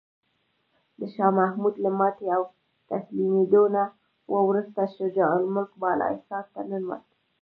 د شاه محمود له ماتې او تسلیمیدو نه وروسته شجاع الملک بالاحصار ته ننوت.